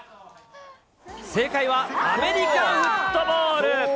正解はアメリカンフットボール。